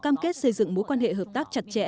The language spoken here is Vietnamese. cam kết xây dựng mối quan hệ hợp tác chặt chẽ